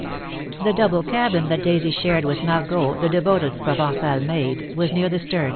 ...^ The double cabin that Daisy shared with Margot, the devoted Provencal maid, was near the stem.